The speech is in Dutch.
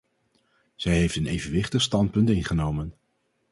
Zij heeft een evenwichtig standpunt ingenomen.